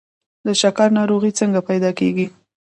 د شکر ناروغي څنګه پیدا کیږي؟